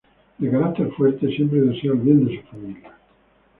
De carácter fuerte, siempre desea el bien de su familia.